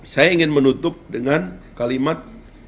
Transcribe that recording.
saya ingin menutup dengan kalimat